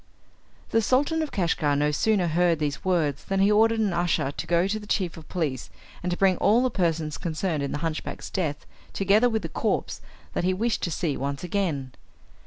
The Sultan of Kashgar no sooner heard these words than he ordered an usher to go to the chief of police and to bring all the persons concerned in the hunchback's death, together with the corpse, that he wished to see once again.